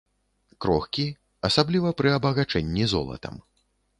Крохкі, асабліва пры абагачэнні золатам.